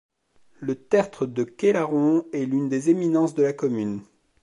Le tertre de Quélaron est l'une des éminences de la commune.